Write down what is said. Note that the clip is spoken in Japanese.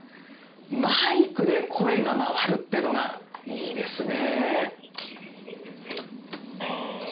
マイクで声が回るっていうのがいいですね。